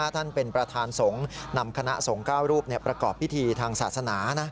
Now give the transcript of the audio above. ท่านเป็นประธานสงฆ์นำคณะสงฆ์๙รูปประกอบพิธีทางศาสนา